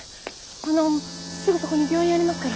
あのすぐそこに病院ありますから。